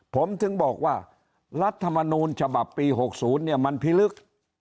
ผมถึงบอกว่ารัฐมนูลฉบับปี๖๐เนี่ยมันพิลึก